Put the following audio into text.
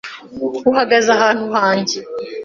Uhagaze ahantu hanjye .